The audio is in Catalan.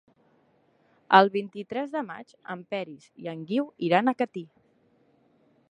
El vint-i-tres de maig en Peris i en Guiu iran a Catí.